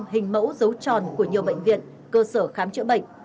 năm mươi năm hình mẫu dấu tròn của nhiều bệnh viện cơ sở khám chữa bệnh